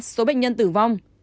ba số bệnh nhân tử vong